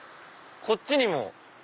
こっちにも。